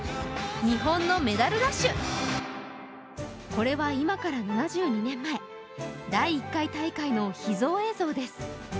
これは今から７２年前第１回大会の秘蔵映像です。